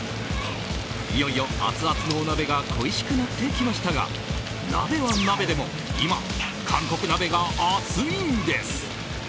いよいよ、アツアツのお鍋が恋しくなってきましたが鍋は鍋でも今、韓国鍋がアツいんです！